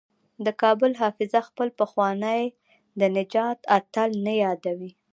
د کابل حافظه خپل پخوانی د نجات اتل نه یادوي.